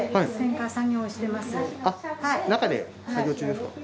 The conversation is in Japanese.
中で作業中ですか？